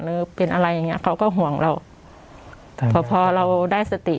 หรือเป็นอะไรอย่างเงี้เขาก็ห่วงเราพอพอเราได้สติ